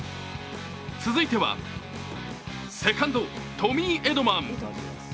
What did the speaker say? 続いてはセカンド、トミー・エドマン。